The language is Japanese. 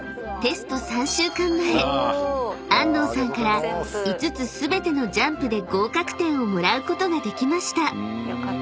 ［テスト３週間前安藤さんから５つ全てのジャンプで合格点をもらうことができました］